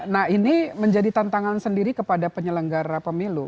nah ini menjadi tantangan sendiri kepada penyelenggara pemilu